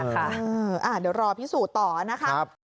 เดี๋ยวรอพิสูจน์ต่อนะคะ